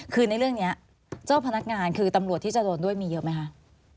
คือในเรื่องนี้เจ้าพนักงานคือตำรวจที่จะโดนด้วยมีเยอะไหมคะ